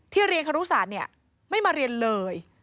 ที่เรียนขฤษาธิ์ไม่มาเรียนเลย